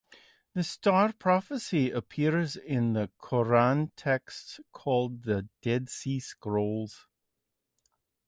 The Star Prophecy appears in the Qumran texts called the Dead Sea scrolls.